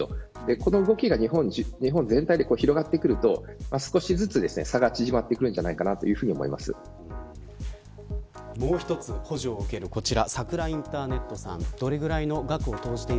この動きが日本全体で広がってくると少しずつ差が縮まってくるんじゃないかもう１つ、補助を受けるこちら。